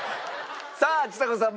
さあちさ子さん